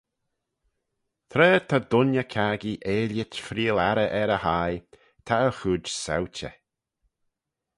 Tra ta dooinney-caggee eillit freayll arrey er e hie, ta e chooid sauchey.